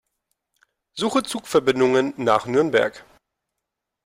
Suche Zugverbindungen nach Nürnberg.